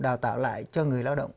đào tạo lại cho người lao động